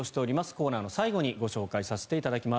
コーナーの最後にご紹介させていただきます。